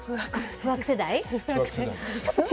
不惑世代。